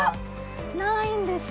ないんです。